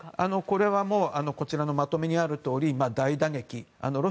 これはこちらのまとめにあるように大打撃。